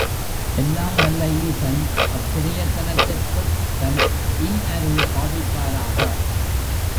எல்லாம் வல்ல ஈசன் அப் பிரயத்தனத்திற்குத் தன் இன் அருள் பாவிப்பாராக!